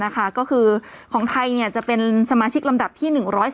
ก็คือของไทยจะเป็นสมาชิกลำดับที่๑๔